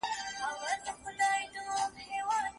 خاطرې مو د سبا لپاره درس دی.